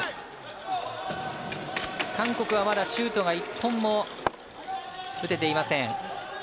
韓国はまだシュートが１本も打てていません。